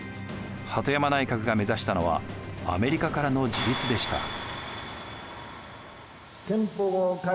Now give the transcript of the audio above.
鳩山内閣が目指したのはアメリカからの自立でした。